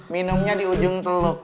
minumnya di ujung teluk